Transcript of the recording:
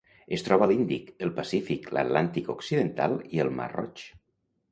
Es troba a l'Índic, el Pacífic, l'Atlàntic occidental i el mar Roig.